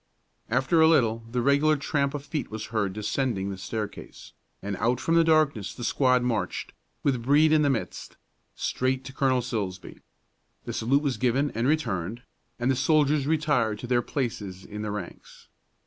After a little the regular tramp of feet was heard descending the staircase, and out from the darkness the squad marched, with Brede in the midst, straight to Colonel Silsbee. The salute was given and returned, and the soldiers retired to their places in the ranks.